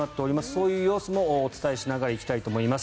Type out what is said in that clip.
そういう様子もお伝えしながら行きたいと思います。